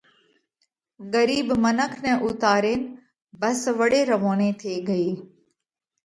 ڳرِيٻ منک نئہ اُوتارينَ ڀس وۯي روَونئِي ٿي ڳئِي۔